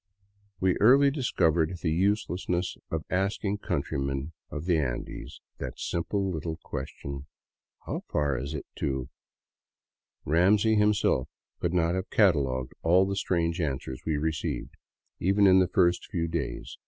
We early discovered the uselessness of asking countrymen of the Andes that simple little question : "How far is itto —?" Ramsey himself could not have catalogued all the strange answers We received, even in the first few days.